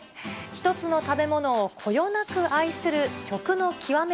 一つの食べ物をこよなく愛する食の極め